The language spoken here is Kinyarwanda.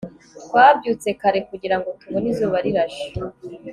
twabyutse kare kugirango tubone izuba rirashe